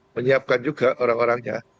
dapatkan juga orang orangnya